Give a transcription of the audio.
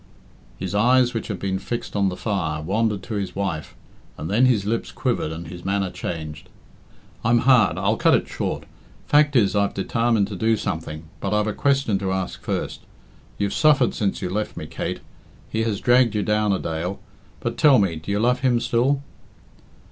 His eyes, which had been fixed on the fire, wandered to his wife, and then his lips quivered and his manner changed. "I'm hard I'll cut it short. Fact is, I've detarmined to do something, but I've a question to ask first. You've suffered since you left me, Kate. He has dragged you down a dale but tell me, do you love him still?"